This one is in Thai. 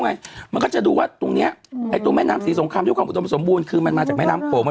ถ้าคุณแม่ศึกษาผู้ชายคนหนึ่งเดิมนี้คุณแม่จะไม่โดนหลอกนะ